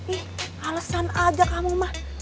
ih alesan aja kamu mah